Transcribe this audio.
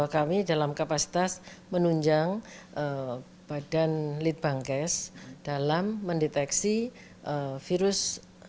kami dalam kapasitas menunjang badan lead bank cash dalam mendeteksi virus